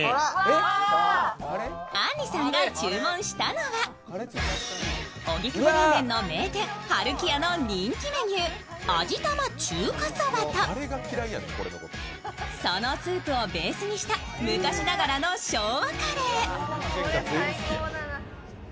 あんりさんが注文したのは荻窪ラーメンの名店、春木屋の人気メニュー、味玉中華そばとそのスープをベースにした昔ながらの昭和カレー。